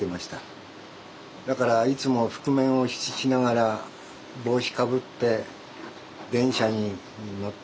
だからいつも覆面をしながら帽子かぶって電車に乗った。